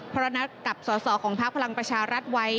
เพราะนัดกับสอสอของพักพลังประชารัฐไว้